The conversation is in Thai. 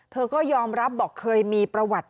เธอก็ยอมรับบอกเคยมีประวัติ